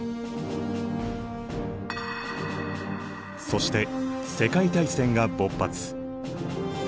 そして世界大戦が勃発。